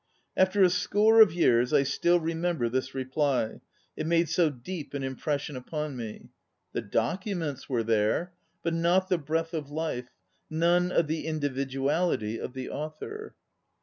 After a score of years I still remember this reply, it made so deep an impression upon me. The documents were there, but not the breath of life, none of the individuality of the author.